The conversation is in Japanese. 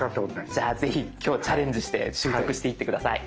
じゃあぜひ今日はチャレンジして習得していって下さい。